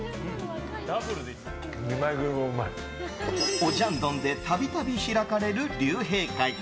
オジャンドンで度々、開かれる竜兵会。